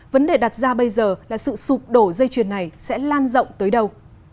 vấn đề đặt ra bây giờ là sự sụp đổ dây chuyền này sẽ lan rộng tới đâu